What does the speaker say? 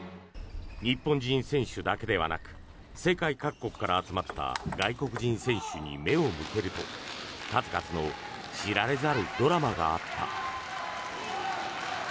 日本人選手だけではなく世界各国から集まった外国人選手に目を向けると、数々の知られざるドラマがあった。